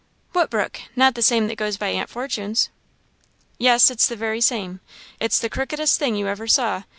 "What brook? Not the same that goes by Aunt Fortune's?" "Yes, it's the very same. It's the crookest thing you ever saw.